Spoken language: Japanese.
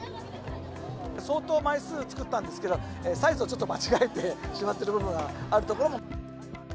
相当枚数作ったんですけど、サイズをちょっと間違えてしまってる部分があるところも。